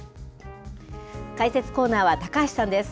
解説コーナーは、高橋さんです。